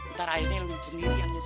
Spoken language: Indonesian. ntar akhirnya lu sendiri yang nyesel